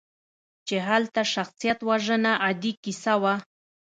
چې هلته شخصیتوژنه عادي کیسه وه.